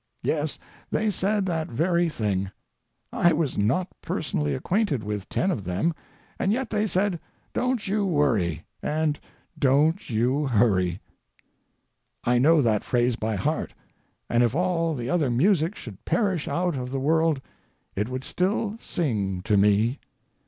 Yes, they said that very thing. I was not personally acquainted with ten of them, and yet they said, "Don't you worry, and don't you hurry." I know that phrase by heart, and if all the other music should perish out of the world it would still sing to me.